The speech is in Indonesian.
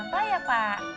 ada apa ya pak